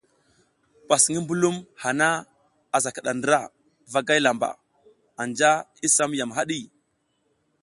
Pas ngi mbulum hana asa kiɗa ndra vagay lamba, anja i sam yam haɗi.